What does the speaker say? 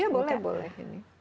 iya boleh boleh